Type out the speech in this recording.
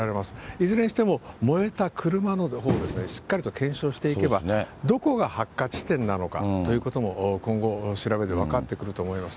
いずれにしても、燃えた車のほうですね、しっかりと検証していけば、どこが発火地点なのかということも、今後、調べで分かってくると思います。